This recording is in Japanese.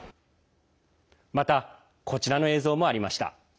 また、こちらの映像もありました。